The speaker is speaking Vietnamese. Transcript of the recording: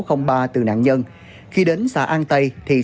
khi đến xã an tây thì xã bình dương đã được bắt giữ